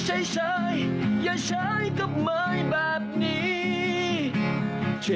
ช่วยบอกให้เจ้าช่วยบอกให้เจ้าช่วยบอกให้เจ้า